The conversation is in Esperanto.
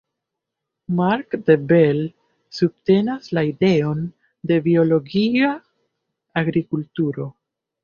Marc De Bel subtenas la ideon de biologia agrikulturo.